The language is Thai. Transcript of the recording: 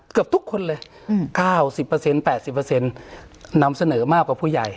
เกือบทุกคนเลย๙๐๘๐นำเสนอมากกว่าผู้ใหญ่